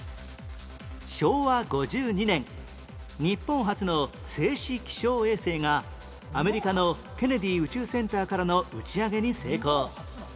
昭和５２年日本初の静止気象衛星がアメリカのケネディ宇宙センターからの打ち上げに成功